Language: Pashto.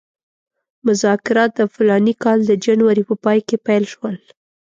مذاکرات د فلاني کال د جنورۍ په پای کې پیل شول.